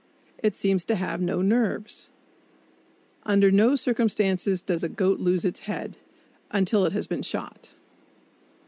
It seems to have no nerves! Under no circumstances does a goat lose its head until it has been shot.